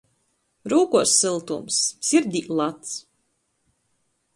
Rūkos syltums, sirdī lads.